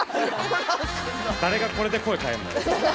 誰がこれで声変えんの。